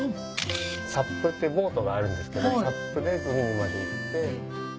サップっていうボートがあるんですけどサップで海まで行って。